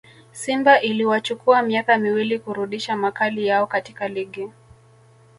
simba iliwachukua miaka miwili kurudisha makali yao katika ligi